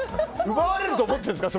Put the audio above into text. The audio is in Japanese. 奪われると思ってるんですか。